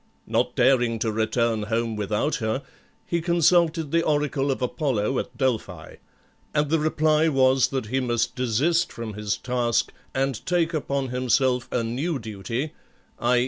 Not daring to return home without her, he consulted the oracle of Apollo at Delphi; and the reply was that he must desist from his task, and take upon himself a new duty, _i.